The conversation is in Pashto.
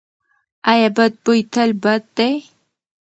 ایا بد بوی تل بد دی؟